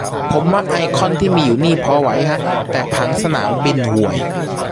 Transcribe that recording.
ผมว่าไอคอนที่มีอยู่นี่พอไหวฮะ แต่ผังสนามบินห่วย